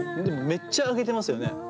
でもめっちゃ上げてますよね。